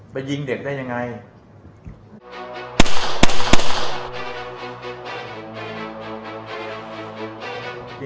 ไปยิงเด็กได้ยังไง